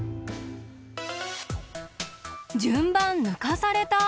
じゅんばんぬかされた！